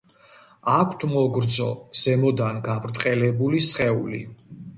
აქვთ მოგრძო, ზემოდან გაბრტყელებული სხეული.